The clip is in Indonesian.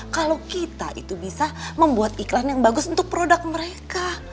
kalau kita itu bisa membuat iklan yang bagus untuk produk mereka